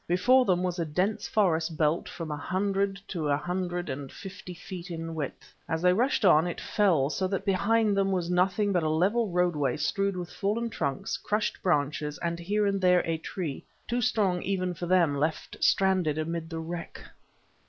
Before them was a dense forest belt from a hundred to a hundred and fifty feet in width. As they rushed on, it fell, so that behind them was nothing but a level roadway strewed with fallen trunks, crushed branches, and here and there a tree, too strong even for them, left stranded amid the wreck.